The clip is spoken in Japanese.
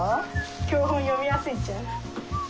教本読みやすいんちゃう。